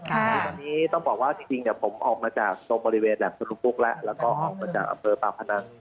ตอนนี้ต้องบอกว่าจริงผมออกมาจากโบริเวณหลักทะลุงพุกและร่างประเมิงปลาขนาด